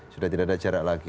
sudah tidak ada jarak lagi